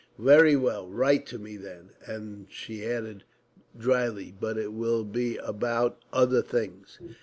"Very well, write to me then." And she added drily, "But it will be about other things."